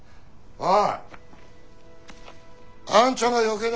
おい！